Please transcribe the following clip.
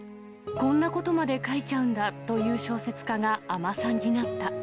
こんなことまで書いちゃうんだ！という小説家が尼さんになった。